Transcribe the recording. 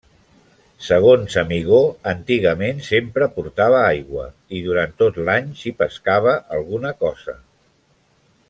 Segons Amigó, antigament sempre portava aigua i durant tot l'any s'hi pescava alguna cosa.